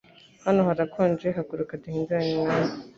Hano harakonje, haguruka duhinduranye umwanya